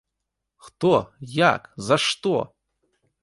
Хто, як, за што?!.